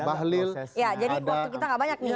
bahlil ya jadi waktu kita gak banyak nih